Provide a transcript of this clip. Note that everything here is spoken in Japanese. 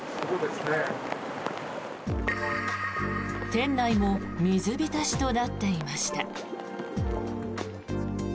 店内も水浸しとなっていました。